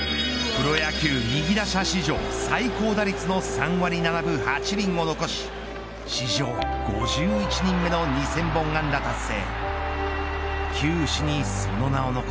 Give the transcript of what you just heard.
プロ野球右打者史上最高打率の３割７分８厘を残し史上５１人目の２０００本安打達成。